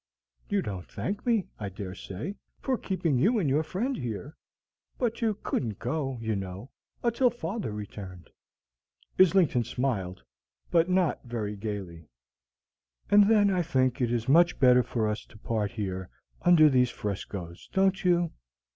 You don't thank me, I dare say, for keeping you and your friend here; but you couldn't go, you know, until father returned." Islington smiled, but not very gayly. "And then I think it much better for us to part here under these frescos, don't you?